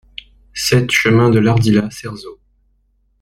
sept chemin de l'Ardila Cerzeau